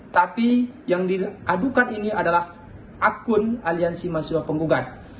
tapi yang diadukan ini adalah akun aliansi mahasiswa penggugat